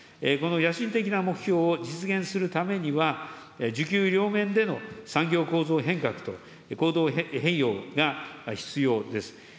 この野心的な目標を実現するためには需給両面での産業構造変革と、行動変容が必要です。